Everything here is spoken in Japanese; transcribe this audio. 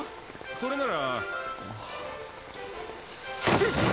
それなら。